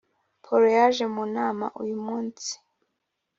polo yaje mu nama uyumunsi